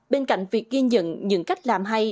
bên cạnh việc ghi nhận những cách làm hay